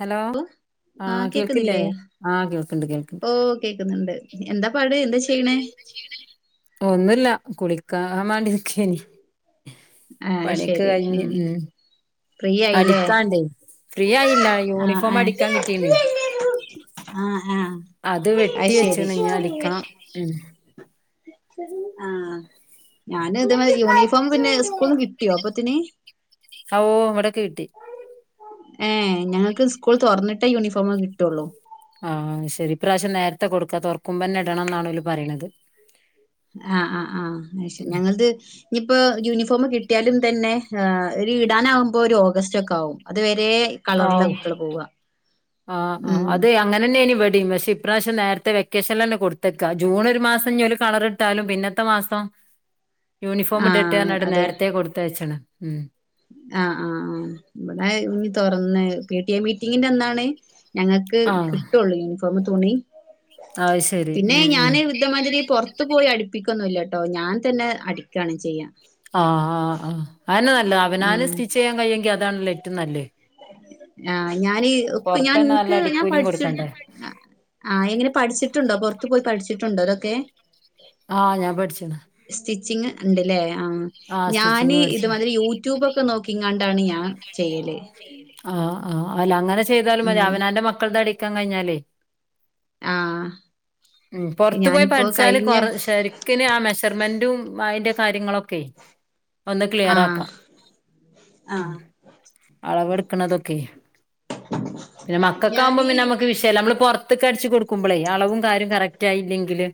Hello ആഹ് കേക്കുന്നില്ലേ ആഹ് കേൾക്ക്ണ്ട് കേൾക്ക്ണ്ട് ഓഹ് കേക്ക്ന്ന്ണ്ട് എന്താ പാട് എന്താ ചെയ്യ്ണ് ഒന്നുല്ല കുളിക്കാമാണ്ടി നിക്കെയ്ന്ന് ആഹ് പണിയൊക്കെ ശരി കഴിഞ്ഞ് ഉം ഫ്രീ ആയില്ലേ അടിക്കാണ്ടയ് ഫ്രീആയില്ല ആഹ് യൂണിഫോം ആഹ് അടിക്കാൻ കിട്ടീണ് ആഹ് ആഹ് അത് വെട്ടി വെച്ചണ്ട് ഇനി അടിക്കണം ഉം ആഹ്ഞാന് ഇതെമാതിരി യൂണിഫോം പിന്നെ സ്കൂൾന്ന് കിട്ടിയോ അപ്പൊത്തിന് ആഹ് ഓഹ് ഇവിടെക്കിട്ടി ഏഹ് ഞങ്ങക്ക് സ്കൂൾ തുറന്നിട്ടേ യൂണിഫോം കിട്ടുള്ളൂ ആഹ് ശെരി ഇപ്രാശ്യം നേരത്തെ കൊടുക്ക തുറക്കുമ്പന്നെ ഇടണം എന്നാണോല് പറയ്ണത് ആഹ് ആഹ് ആഹ് ശെരി ഉം ഞങ്ങളത് ഇനി യിപ്പോ യൂണിഫോം കിട്ടിയാലും തന്നെ ആഹ് ഇടാനാകുമ്പോ ഒരു ഓഗസ്റ്റ് ഒക്കെ ആകും അത്‌വരെ കളറില ആവൂ കുട്ടികള് പോവ്വ ആഹ് ആഹ് അതെയാ അങ്ങനെന്ന ഇനി ഇവടേം പക്ഷെ ഇപ്രാവശ്യം നേരത്തെ വെക്കേഷനിൽ തന്നെ കൊടുത്തക്ക ജൂൺ ഒരു മാസം ഓല് കളറ് ഇട്ടാലും പിന്നത്തെ മാസം യൂണിഫോം ഇടട്ടേ ആഹ് [unintelligible] അതെ നേരത്തെ കൊടുത്തയച്ചണ് ഉം ആഹ് ആഹ് ആഹ് അത് ഇനി തൊറന്ന് പി ടിഎ മീറ്റിങ്ങിന്റെ അന്നാണ് ഞങ്ങക്ക് ആഹ് കിട്ടുള്ളൂ യൂണിഫോം തുണി അത് ശരി. പിന്നെ ഉം ഉം ഞാന് ഇതേമാതിരി പു ത്ത് പോയി അടുപ്പിക്കൊന്നുല്യയൊട്ടൊ ഞാൻ തന്നെ അടിക്കാണ് ചെയ്യ ആഹ് ആഹ് ആഹ് അതന്നെ നല്ലത് അവനാനെ ഉം സ്റ്റിച്ച് ചെയ്യാൻ കഴിയെങ്കിൽ അതാണല്ലോ ഏറ്റവും നല്ലേ ആഹ് ഞാനീ ഞാൻ പൊറത്തന്നെ നല്ല എൻക്ക് ഞാൻ അടിക്കൂലിയും പഠിച്ചി കൊടുക്കണ്ടേ. ആഹ് എങ്ങനെ പഠിച്ചിട്ടുണ്ടോ പുറത്തു പോയി പഠിച്ചിട്ടുണ്ടോ ഇതൊക്കെ ആഹ് ഞാൻ പഠിച്ച്ണ് സ്റ്റിച്ചിങ് ണ്ട് ലേ ആഹ് ആഹ് സ്റ്റിച്ചിങ് ഞാന് ഇത് പഠിച്ചു. മാതിരി യൂ യൂട്യൂബ് ഒക്കെ നോക്കിങ്ങാണ്ടാണ് ഞാൻ ചെയ്യല് ആഹ് ആഹ് അല്ല അങ്ങനെ ചെയ്താലും മതി ഉം അവനവന്റെ മക്കൾടെ അടിക്കാൻ കഴിഞ്ഞാലേ ആഹ് ഉം പുറത്തു പോയി ഞാനിപ്പോ പഠിച്ചാല് കഴിഞ്ഞ കൊറ ശരി ക്കെന്നെ മെഷർമെന്റും അയിന്റെകാര്യങ്ങളൊക്കെ വന്ന് ആഹ് ക്ലിയറാക്കാം ആ ഉം അളവ്ട്ക്കുന്നതൊക്കെ പിന്നെ ആ മക്കൊക്കെ ആവുമ്പോ ഞാന് പിന്നെ നമ്മുക്ക് വിഷ ല്ലയ് നമ്മള് പെറ്ത്ത്ക്ക് അടിച്ച് കൊടുക്കുമ്പോളേ അളവും കാര്യം കററ്റ് ആയില്ലെങ്കില്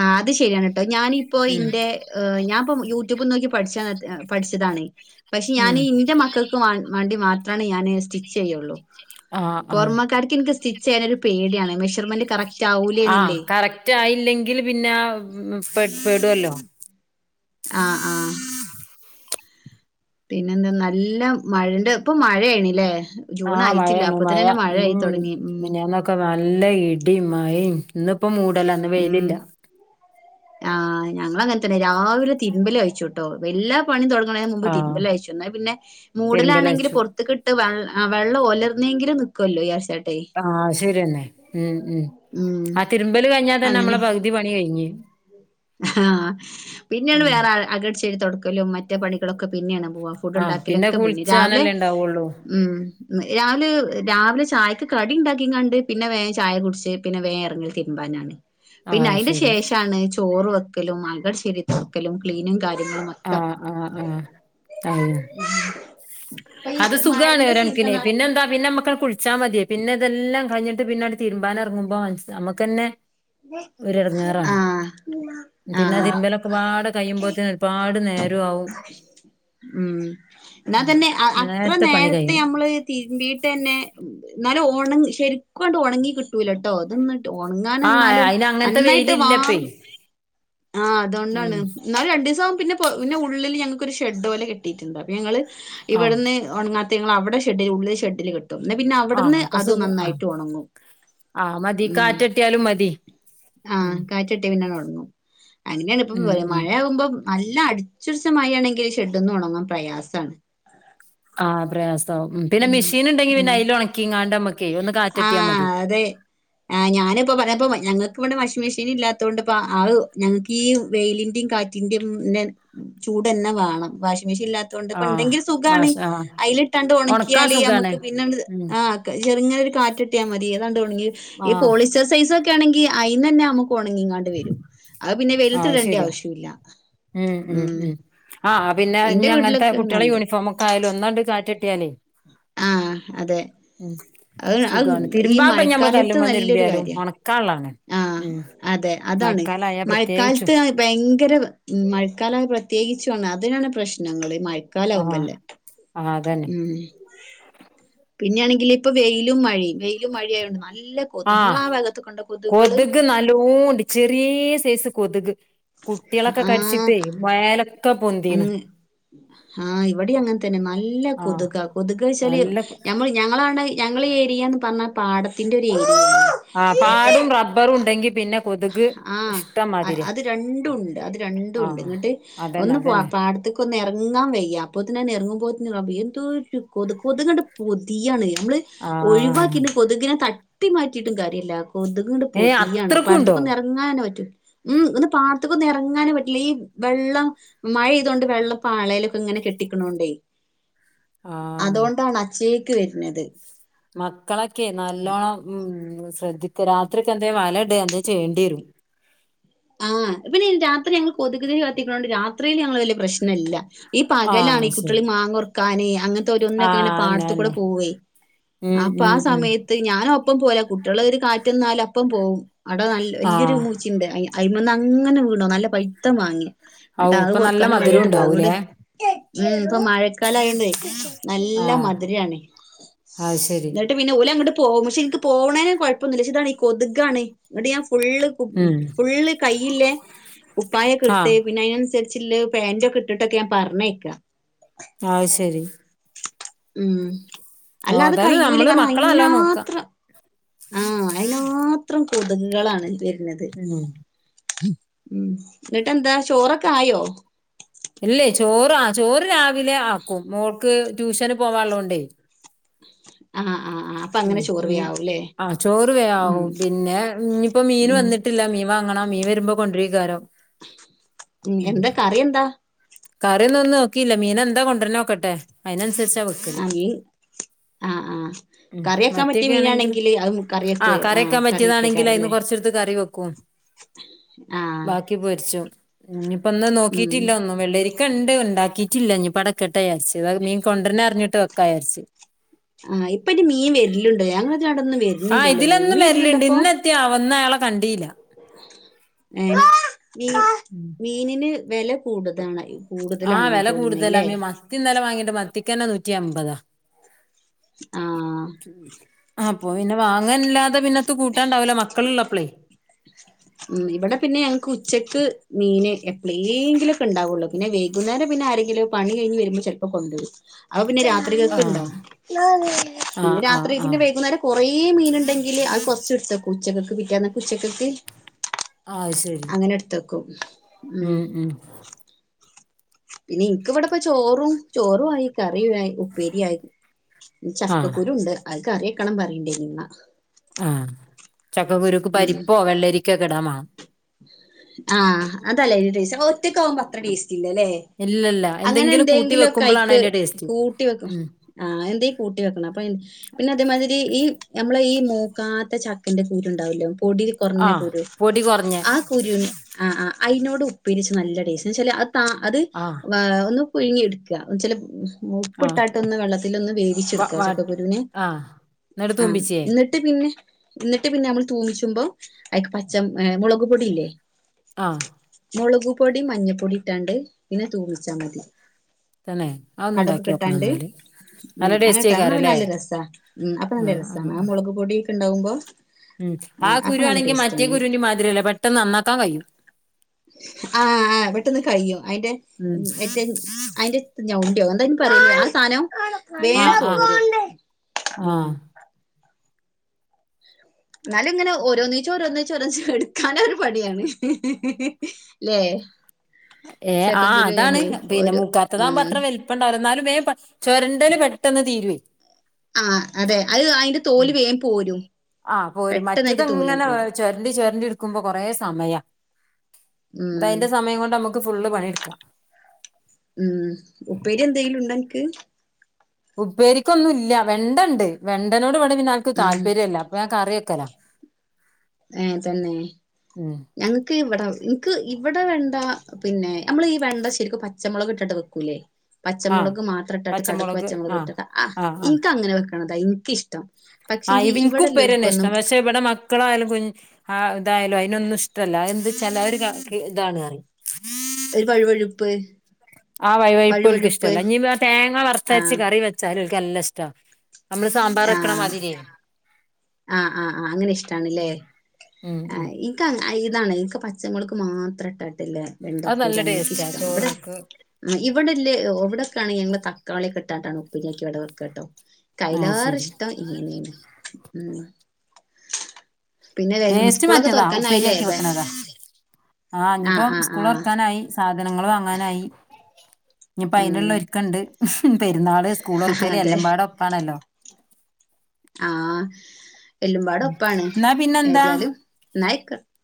ആ അത് ശരിയാണ് ട്ടോ ഞാനിപ്പോ ഉം ഇന്റെ ഹ് ഞാൻ ഇപ്പ യൂട്യൂബ് നോക്കി പഠിച്ച പഠിച്ചതാണ് പക്ഷെ ഞാൻ ഉം ഇന്റെ മക്കൾക്ക് വേണ്ടി മാത്രേ ആണ് ഞാന് സ്റ്റിച്ച് ചെയ്യുള്ളൂ ആഹ് ആഹ് പുറമേക്കാർക്ക് എനിക്ക് സ്റ്റി ചെയ്യാനൊരു പേടിയാണ് മെഷർമെന്റ് കററ്റ് ആഹ് കറക്റ്റ് ആയില്ലെങ്കിൽ പിന്നെ പെടുവല്ലോ ആഹ് ആഹ് പിന്നെന്താ നല്ല മഴന്റെ ഇപ്പൊ മഴേണ്ല്ലേ ആഹ് മഴയാണ് മഴ ഉം ഉം മിനിഞ്ഞാന്നൊക്കെ ഇപ്പൊ നല്ല ഇടിം മഴേം ഇന്നിപ്പം മൂടലാ ഇന്ന് ഉം വെയിലില്ല ആഹ് ഞങ്ങളങ്ങനെതന്നെ രാവിലെ തിരുമ്പല് കഴിച്ചുട്ടോ വല്ലാ പണി തൊടങ്ങണേന്റെ മുമ്പ് ആഹ് തിരുമ്പലൈച്ചും ഇന്നാ പിന്നെ മൂടലാണെങ്കില് തിരുമ്പലയച്ചു പൊറ ത്തിക്കിട്ട് വെ വെള്ളം ഒലർന്നെങ്കിലും നിക്കൊല്ലോ വിചാരിച്ചിട്ട് ആഹ് അഹ്ശെരിയന്നെ ഉം ഉം ഉം ആഹ് തിരുമ്പല് കഴിഞ്ഞാ തന്നെ അങ്ങനെ അമ്മളെ പകുതി പണി കഴിഞ്ഞ് ആഹ് പിന്നേണ് ഉം വേറെ അകം അടിച്ചുവാരി തൊടക്കലും മറ്റേ പണികളൊക്കെ പിന്നേണ് പോവാ ഫുഡ് ആഹ് പിന്നെ ഇണ്ടാക്കലൊക്കെ പുന്ന് രാവിലെ കുളിച്ചാനല്ലേ ഇണ്ടാവുള്ളൂ ഉം രാവിലെ രാവിലെ ചായക്ക് കടി ഇണ്ടാക്കിംകാണ്ട് പിന്നെ വേഗം ചായ കുടിച്ച് പിന്നെ വേഗം എറങ്ങല് തിരുമ്പാനാണ് പിന്നെ ആഹ് അയിന്റെ ശരി ശേഷാണ് ചോറ് വെക്കലും അകവടിച്ചുവാരി തൊടക്കലും ക്ലീനും കാര്യങ്ങളും മൊത്തം ആഹ് ആഹ് ആഹ് അതയോ ഇപ്പൊ ഈ അത് സുഖാണ് മഴന്റെ ഒരണക്കിന് സീസണായി പിന്നെന്താ പിന്നെമ്മക്കാണ്ട് കു ളിച്ചാ മതി. പിന്നെ ഇതെല്ലാം കൈഞ്ഞിട്ട് പിന്നങ്ങട് തിരുമ്പാനിറങ്ങുമ്പം മൻസ് ഞമ്മക്കന്നെ ഒരിടങ്ങേറാണ് ആഹ് പിന്നെ ആഹ് തിരുമ്പലൊക്കെപാടെ കഴിയുമ്പോത്തിന് പാട് നേരം ആവും ഉം ഇന്നാ ഉം തന്നെ അത്ര പണി നേരത്തെ കഴിയും നമ്മള് തിരുമ്പീ ട്ടന്നെ എന്നാലും ഒണങ്ങി ശരിക്കുംഅങ്ങട് ഒണങ്ങി കിട്ടൂലാട്ടോ ഇത് എന്നട്ട് ഒണങ്ങാന് എന്നാൽ ആഹ് ലും അയിന് അങ്ങനത്തെ നന്നായിട്ട് വാർ വെയിലില്ലപ്പേ ആഹ് ഉം അതോണ്ടാണ് എന്നാലും രണ്ടീസാവുമ്പോ പിന്നെ പിന്നെ ഉള്ളില് ഞങ്ങക്കൊരു ഷെഡ്ഡുപോലെ കെട്ടീട്ടുണ്ട് പിന്നെ ഞങ്ങള് ആഹ് ഇവടുന്ന് ഒണങ്ങാത്തെ ഞങ്ങൾ അവടെ ഷെഡ്ഡില് ഉള്ളില് ഷെഡ്ഡില് കെ ട്ടും ഇത് പിന്നെ ആഹ് അവടുന്ന് അപ്പൊ അത് സുഖ ആഹ് നന്നായിട്ട് ഒണങ്ങും ആഹ് മതി കാറ്റട്ടിയാലും മതി ഉം ഉം കാറ്റിട്ടിയാ പിന്നാങ്ങ് ഒണങ്ങും അങ്ങനെയാണിപ്പം ഉം ഉം മഴയാവുമ്പം നല്ല അടിച്ചുടച്ച മഴയാണെങ്കി ഷെഡ്ഡിന്ന് ഒണങ്ങാൻ പ്രയാസാണ് ആഹ് പ്രയാസാവും പിന്നെ ഉം മിഷീനുണ്ടെങ്കി പിന്നെ ഉം അയില് ഒണക്കിങ്ങാണ്ട് അമ്മക്ക് ആഹ് അതെ ആഹ് ഞാനിപ്പൊ പറഞ്ഞപ്പോ ഞങ്ങക്ക് ഇവടെ വാഷിംഗ് മിഷീന് ഇല്ലാത്തോണ്ട് ഇപ്പ അഹ് ഞങ്ങക്ക് ഈ വെയിലിന്റിം കാ റ്റിന്റിം ചൂടന്നെ വേണം വാഷിംഗ് മിഷീൻ ഇല്ലാ ത്തോണ്ട്പ്പം ആഹ് ഉണ്ടെങ്കിൽ സുഖാണ് വാഷ് ആഹ് അയിലിട്ടാണ്ട് ഒണക്കാൻ ഒണക്കിയാല് സുഖാണ് നമ്മക്ക് പിന്നെങ്ങട് ഉം ആഹ് ചെറിങ്ങനൊരു കാറ്റിട്ടിയാ മതി അതാണ്ട് ഒണങ്ങി ഈ ആഹ് പോളിസ് റ്റ് സൈസൊക്കെ ആണെങ്കി അയിനന്നെ നമുക്ക് ഒണങ്ങിങ്ങാണ്ട് വരും അത് പിന്നെ ആഹ് വെയിലത്തിടണ്ടീയ ശരിയാ ആവശ്യുല്ല ഉം ഉം ഉം ആഹ് പിന്നെ ഇന്റെ ഇഞ്ഞ് അങ്ങൻത്ത വീട്ടിലൊക്കെ കുട്ടിയളെ ഇങ്ങനെണ്ട് യൂണിഫോമൊക്കെ ആയാലും ഒന്നാണ്ട് കാറ്റട്ടിയാലേ ആഹ് അതെ ഉം അഹ് അഹ് സുഖാണ് ഈ തിരുമ്പാപ്പ ഞമ്മള് മഴക്കാലത്ത് കല്ലുമ്മ നല്ലൊരു തിരുമ്പിയാലും കാര്യാ ഒണക്കാള്ളാണ് ആഹ് ഉം അതെ അതാണ് മഴക്കാലായ പ്രത്യേകിച്ചും മഴക്കാലത്ത് ഭയങ്കര മഴക്കാല പ്രത്യേകിച്ചുകാണം അതിനാണ് പ്രശ്നങ്ങള് മഴ ആഹ് ക്കാലാവുമ്പല്ലേ ആഹ് അതന്നെ ഉം പിന്നെയാണെങ്കില് ഇപ്പൊ വെയിലും മഴയും വെയിലും മഴയായോണ്ട് നല്ല കൊതുക് ഇങ്ങളാ ആഹ് ഭാഗത്തൊക്കെ ഉണ്ടോ കൊതുകുകള്? കൊതുക് നല്ലോണ്ട് ചെറീയ സൈസ് കൊതുക് കുട്ടിയളൊക്കെ കടിച്ചിട്ടേ മേല ങ്ങ് ഹാ ഇവടേം അങ്ങനതന്നെ നല്ല ആഹ് കൊതുകാ കൊതുക്ച്ചാല് നല്ല ഞമ്മള് ഞങ്ങളാടെ ഞങ്ങളെ ഏരിയാന്ന് പറഞ്ഞാ പാടത്തിന്റൊരു ഏരിയാണ് ആഹ് പാടും റബ്ബറും ഉണ്ടെങ്കി പിന്നെ കൊതു ആഹ് അത് രണ്ടൂണ്ട് അത് രണ്ടൂണ്ട് ആഹ് ഇങ്ങട്ട് അതന്നെ ഒന്ന് പാ അതന്നെ പാടത്ത് ക്കൊന്ന് എറങ്ങാം വയ്യാ അപ്പോത്തിനന്നെ എറങ്ങുമ്പോത്തിന് റമ്പെ എന്തോര് കൊത് കൊത്കാണ്ട് പൊതിയാണ് അമ്മള് ആഹ് ഒഴിവാക്കിട്ട് കൊത്ക്നെ തട്ടി മാറ്റിയിട്ടും കാര്യില്ല കൊത്ക്ങ്ങട്ട് ഏഹ് പൊതിയാണ് അത്രക്കുണ്ടോ എറങ്ങാനൊരു ഉം ഒന്ന് പാടത്ത്ക്കൊന്ന് എറങ്ങാനേ പറ്റില്ല ഈ വെള്ളം മഴയ്തോണ്ട് വെള്ളം പ്പാളയിലൊക്കെ ഇങ്ങനെ കെട്ടിക്കണോണ്ടേ ആഹ് അതോണ്ടാണ് അച്ചേക്ക് വെരുന്നത് മക്കളൊക്കെ നല്ലോണം ഉം ശ്രദ്ധിക്കാ രാത്രിക്കെ എന്തേലും വല ഇടയ എന്തേ ചെയ്യേണ്ടി വെരും ആഹ് പിന്നെ രാത്രി ഞങ്ങൾ കൊതുക് തിരി കത്തിക്കണോണ്ട് രാത്രിയിൽ ഞങ്ങള് വലൃ പ്രശ്നില്ല ഈ പകലാണ് ആഹ് ഈ ശരി കുട്ടികളീ മാങ്ങുറക്കാന് അങ്ങന തൊരുന്നൊക്കെ ഇങ്ങന ആഹ് അന്നെ പാടത്ത് കൂട അന്നെ പോവേ ഉം അപ്പൊ ഉം ആ ഉം സമയ ത്ത് ഞാനും ഒപ്പം പോല കുട്ടിയള് കേറി കാറ്റുന്നാല അപ്പം പോവും അവിടെ നൽ വല്യൊരു ആഹ് മൂച്ചയുണ്ട് അയി അയിമന്ന് അങ്ങനെ വീണോം നല്ല പഴുത്ത മാങ്ങേം ഔ എന്നട്ട് അത് ഇപ്പൊ നല്ല പെറുക്കാനും മധുരം വേണ്ടീട്ട് പോം അങ്ങട് ഉണ്ടാവൂലേ ഉം ഇപ്പം മഴ ക്കാലയണ്ടേ നല്ല ആഹ് മധുരാണ് അത് ശരി എന്നിട്ട് പിന്നെ ഓലങ്ങട്ട് പോവും പക്ഷെ എനിക്ക് പോണേന് കൊഴപ്പൊന്നുല്ല ക്ഷെ ഇതാണ് ഈ കൊതുകാണ് ഇങ്ങട്ട് ഞാൻ ഫുള്ള് ഉം കുപ്പ് ഫുള്ള് കയ്യില്ലേ കുപ്പായൊക്കെ ഇട്ട് ആഹ് പിന്നെ അയിനനുസരിച്ച് ചില്ല് പാന്റൊക്കെ ഇട്ടിട്ടൊക്കെയാ ഞാൻ പറഞ്ഞയിക്കാ ആഹ് ശരി ഉം ഓ അല്ലാത ഏതായാലും കയ്യൂല നമ്മള് കാരണം മക്കളെ നല്ലോം നോക്ക അയിനാത്രം ആഹ് അയിന് മാത്രം കൊതുകുകളാണ് വരുന്നത് ഉം ഉം എന്നിട്ടെന്താ ചോറൊക്കായോ ഇല്ലേ ചോറ് ആ ചോറ് രാവിലെ ആക്കും മോൾക്ക് ട്യൂഷന് പോവാള്ളോണ്ടേ ആഹ് ആ ആ അപ്പൊ അങ്ങനെ ഉം ചോറ് വേ ഉം ആവൂല്ലേ ആഹ് ചോറ് വേ ആവും പിന്നെ ഇന്നിപ്പ മീന് ഉം വന്നിട്ടില്ല മീൻ വാങ്ങണം മീൻ വെരുമ്പോ കൊണ്ട്രീക്കാരം എന്താ കറി എന്താ കറിയൊന്നും നോക്കിയില്ല മീനെന്താ കൊണ്ടെരണേ നോക്കട്ടെ അയിനനുസരിച്ചാ വെക്ക് അയേ ആഹ് ആ ഉം കറിയക്കാൻ പറ്റിയ മത്തിയൊക്കെ ആണെങ്കിൽ മീനാണെങ്കില് അതും കറിവെക്കുവെ ആ കറിയൊക്കെക്കാറല്ലേ ന്ത് കറി വെക്കും ആഹ് ബാക്കി പൊരിച്ചു ഇനീപ്പൊന്നും ഉം നോക്കീട്ടില്ല ഒന്നും വെള്ളരിക്കൊണ്ട് ഉണ്ടാക്കിട്ടില്ല ഇനീപ്പട നിക്കട്ടെ വിചാരിച്ച് വേഗം മീൻ കൊണ്ടെരന്നെ അറിഞ്ഞിട്ട് വെക്കാ വിച്ചാര്ച്ച് ആഹ് ഇപ്പ ഇനി മീൻ വെര്ലുണ്ടോ ഞങ്ങക്കവിടൊന്നും വരുന്നില്ലല്ലോ മീൻ മീ വെരലുണ്ടോപ്പോ ത്യാവുന്നാളെ കണ്ടീല്ല ഏ മീ മീനിന് വെല കൂടുതാണയോ ആഹ് കൂടുതലാണെന്നാ വില തോന്നുന്ന കൂടുതലാ ല്ലേ മീ മത്തി ഇന്നലെ വാങ്ങീന്റെ മത്തിക്കന്നെ നൂറ്റി അമ്പതാ ആഹ് ആപ്പ പിന്നെ വാങ്ങൻല്ലാതെ പിന്നത്ത് കൂട്ടാണ്ടാവൂല്ല മക്കളുള്ളപ്പളേ ഉം ഇവിടെ പിന്നെ ഞങ്ങക്ക് ഉച്ചക്ക് മീന് എപ്പളേങ്കിലൊക്കെ ഇണ്ടാവുള്ളൂ പിന്നെ വൈകുന്നേരം പിന്നെ ആരെങ്കിലും പണി കഴിഞ്ഞു വേരുമ്പോ ചെലപ്പോ കൊണ്ടുവരും അപ്പ പിന്നെ രാത് ആഹ് ത്രീകക്കിണ്ടാവും ഇന്ന് ആഹ് ആഹ് രാത്രി ആഹ് പിന്നെ വൈകുന്നേരം കൊറേ മീനുണ്ടെങ്കില് അത് കൊറച്ചെടുത്ത് വെക്കും ഉച്ചക്കക്ക് പിറ്റേന്നക്കെ ഉച്ചക്കക്ക് അത് ശരി അങ്ങനെ ഇട്ത്തെക്കും ഉം. പിന്നെ ഇന്ക്ക് ഇവിടെപ്പ ചോറും, ചോറു ആയി. കറിയുവായ് ഉപ്പേരിയായി. ഞ് ആഹ് ചക്കക്കുരു ഇണ്ട് അത് കറി വെക്കണം പറയ്ണ്ടായ്നി ഇമ്മ. ആഹ് ചക്കക്കുരുക്ക് ഉം പരിപ്പോ വെള്ളരിക്കേ ഒക്കെ ഇടാൻ മാണം. ആഹ് അതല്ലേ അയ്ൻ്റെ ടേസ്റ്റ് അ ഒറ്റക്കാവുമ്പോ അത്ര ടേസ്റ്റ്ല്ല ല്ലേ. ഇല്ലല്ല അങ്ങനെ എന്തെങ്കിലും കൂട്ടി എന്തേങ്കിലുംക്ക വെക്കുമ്പളാണ് അയിക്ക് അയിന്റെ ടേസ്റ്റ് കൂട്ടി വെക്കും ഉം ആഹ് എന്തേം കൂട്ടി വെക്കണം അപ്പൊ അയിൻ്റെ പിന്നെ അതേമാതിരി ഈ ഞമ്മളെ ഈ മൂക്കാത്ത ചക്കന്റെ കുരു ണ്ടാവൊല്ലോ. പൊടി കൊറ്ഞ്ഞ ആഹ് കുരു. പൊടി കൊറ്ഞ്ഞെ. ആ കുരൂന്, ആഹ് ആഹ് അയ്നോട് ഉപ്പേര്യെച്ചാ നല്ല ടേസ്റ്റാ. എന്താച്ചാല് അത് താ അത് ആഹ് വാ ഒന്ന് പുഴുങ്ങിയെടുക്കാ എന്ന്വെച്ചാല് ആഹ് ഉപ്പിട്ടാട്ടൊന്ന് വെള്ളത്തിലൊന്ന് വ വേവിച്ചെടുക്കാ വ ചക്കക്കുരൂനെ. ആഹ് ന്നട്ട് ആഹ്. തൂമ്പിച്ചേ ന്ന് ട്ട് പിന്നെ ഇന്നട്ട് പിന്നെ നമ്മൾ തൂമിച്ചുമ്പോ അയിക്ക് പച്ചം, ഏഹ് മുളക് പൊടിയില്ലേ? ആഹ്. മുളക് പൊടിം മഞ്ഞപ്പൊടി ഇട്ടാണ്ട് പിന്നെ തൂമിച്ചാ മതി. തന്നെ. അതൊന്ന് കടുകൊക്കെ ഇണ്ടാക്കിയോക്കണം ഇട്ടാണ്ട് ഇന്നാല്. ഉം അങ്ങനെ ഇട്ടാ ഇന്നാ പിന്നെ നല്ല രസാ. ഉം അപ്പൊ നല്ല ആഹ് ആഹ് രസാണ് ആ ആഹ് മുളക് പൊടിയൊക്കെണ്ടാവുമ്പോ. ഉം. ആ കുരു ആണെങ്കി മറ്റേ കുരുവിന്റെ മാതിരി അല്ല പെട്ടെന്ന് നന്നാക്കാൻ കയും. ആഹ് ആഹ് പെട്ടെന്ന് കയ്യും. അയിന്റെ ഉം മറ്റേ അയിന്റെ എത്ത ഞൗണ്ടിയോ എന്താ അയ്ന് പറയെല് ആ സാനം വേം ആഹ് ആഹ് പോരും. ഉം. ആഹ് ഇന്നാലു ഇങ്ങനെ ഓരോന്നീച്ചെ ഓരോന്നീച്ചെ ഓരോന്നീച് എടുക്കാനു ഒരു പണിയാണ്. ല്ലേ? ഏഹ്, ആഹ് ചക്കക്കുരു അതാണ്. ആയാലേ പിന്നെ ഓരോ മൂക്കാത്തതാകുമ്പോ ഉം അത്ര വെല് പ്പണ്ടാവൂല ഇന്നാലും വേം പ ചൊരണ്ടെല് പെട്ടെന്ന് തീര്വേ. ആഹ് അതെ അത് അയിന്റെ തോല് വേം പോരും. ആഹ് പോരും പെട്ടെന്ന് മറ്റെത് അതിന്റെ തോലങ്ങട് ഇങ്ങനെ പോരും ചൊരണ്ടി ചൊരണ്ടി ഇട്ക്കുമ്പോ കൊറെ സമയാ. ഇത് ഉം അയ്ന്റെ സമയം കൊണ്ട് നമക്ക് ഫുള്ള് പണിട്ക്കാ. ഉം ഉപ്പേരി എന്തെങ്കിലും ഇണ്ടൊ അൻക്ക്? ഉപ്പേരിക്കൊന്നും ഇല്ല. വെണ്ടണ്ട്, വെണ്ടനോട് ഇവടെ പിന്നെ ആർക്കും ഉം താല്പര്യല്ല. അപ്പ ഞാൻ കറി വെക്കലാ. ഏഹ് തന്നെ. ഉം ഞങ്ങക്ക് ഇവടെ ഇന്ക്ക് ഇവടെ വെണ്ട, പിന്നെ ഞമ്മള് ഈ വെണ്ട ശരിക്കും പച്ചമുളക് ഇട്ടിട്ട് വെക്കൂല്ലേ? ആ പച്ചമുളക് മാത്രം ഇട്ടാട്ട് കടക് പച്ചമൊളക് ഇട്ട്ട്ട് ആ ഇന്ക്ക് അങ്ങനെ വെക്കണതാ ഇനിക്കിഷ്ടം. ആഹ് യ് വ് ഇൻക്കും ഉപ്പേര്യെന്നെ ഇഷ്ടം പക്ഷെ ഇവടെ മ മക്കളായാലും കുഞ് ഹാ ഇതായാലും അയിനൊന്നും ഇഷ്ടല്ല. അതെന്ത് വെച്ചാല് അതൊര് ക കി ഇതാണ് പറയും. ഒരു വഴുവഴുപ്പ്. ആ വയുവയുപ്പ് ഓൽക്ക് വഴുവഴുപ്പ് ഇഷ്ടല്ല ഇഞ്ഞ് തേങ്ങ ആ വറുത്തരച്ച് കറി വെച്ചാല് ഓല്ക്ക് നല്ല ഇഷ്ടാ. നമ്മള് സാമ്പാർ വെക്ക്ണ മാതിരിയേ. ആഹ് ആഹ് ആഹ് അങ്ങനെ ഇഷ്ടാണ് ല്ലേ. ഉം ഉം ഉം ആഹ് ഇ ൻക്ക അയിന്നാണ്. ഇൻക്ക് പച്ചമുളക് മാത്രം ഇട്ടാട്ട് ല്ലെ വെണ്ട അത് നല്ല ഉപ്പേര്യാണ് ടേസ്റ്റാ ഇൻക്കിഷ്ടം. ഇവടെ ചോറ്ക്ക് ആഹ് ഇവടെല്ലേ ഇവടൊക്കാണെങ്കി ഞങ്ങള് തക്കാളിയൊക്കെ ഇട്ടാട്ടാണ് ഉപ്പേരിയാക്കി ഇവടെ വെക്കട്ടോ. അത് ഇക്കയ്ലാറെ ശരി ഇഷ്ടം ഇങ്ങനേണ് ഉം. പിന്നെ വെ- ടേസ്റ്റ് സ്കൂളൊക്കെ മറ്റതാ തുറക്കാനായില്ലേ ഉപ്പേരിയാക്കി ബേ വെക്ണതാ. ആഹ് ഇഞ്ഞ്പ്പം ആഹ് സ്കൂൾ ആഹ് തൊറക്കാനായി. സാധനങ്ങൾ വാങ്ങാനായി ഇഞ്ഞിപ്പയിനുള്ള ഉം ഒരുക്കെണ്ട്. പെരുന്നാള് സ്കൂളൊറക്കല് അതെ എല്ലമ്പാടെ ഒപ്പാണല്ലോ? ആഹ് എല്ലുംപാടെ ഉം ഒപ്പാണ് എന്നാ പിന്നെന്താ ഏതിയാലും ഇന്നാ അയി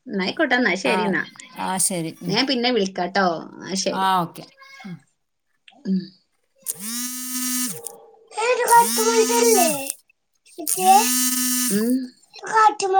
ഇന്നാ അയ്ക്കോട്ടെന്നാ ആ ശരി ന്നാ ആ ശരി ഉം ഇന്ന ഞാൻ പിന്നെ വിളിക്കാട്ടോ? ഇന്നാ ആ ശരി. ഓക്കെ ഉം ഉം [unintelligible] [unintelligible]